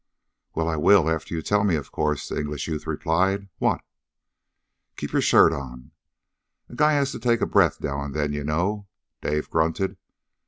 "Well, I will after you tell me, of course," the English youth replied. "What?" "Keep your shirt on; a guy has to take a breath now and then, you know!" Dave grunted.